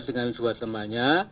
dengan dua temannya